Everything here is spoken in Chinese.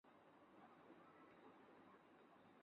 这些作者包括反对马吉安主义最厉害的铁徒良等。